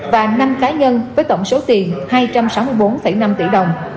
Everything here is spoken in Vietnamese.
và năm cá nhân với tổng số tiền hai trăm sáu mươi bốn năm tỷ đồng